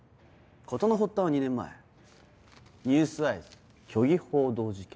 事の発端は２年前『ニュースアイズ』虚偽報道事件。